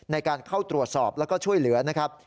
ในการเข้าตรวจสอบแล้วก็ช่วยเหลือนะครับ